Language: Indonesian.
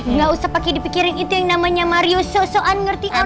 enggak usah pakai dipikirin itu yang namanya mario so soan ngerti online